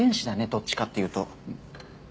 どっちかって言うとん？